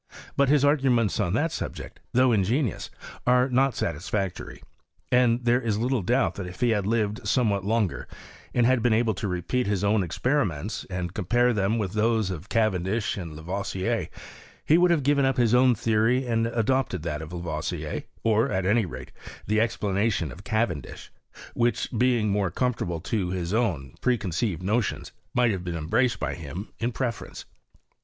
But hit arguments on that subject, though ingenious, are not satisfactory; and there is little doubt that if he had lived somewhat longer, and had been able to repeat his own experiments, and compare them with those of Cavendish and Lavoisier, he would have ^ven up his own theory and adopted that of Lavoisier, or, at any rate, the explanation of Cavendish, which, being more conformable to his own preconceived notions, might have been embraced by him in pre ference.